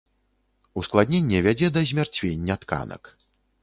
Ускладненне вядзе да змярцвення тканак.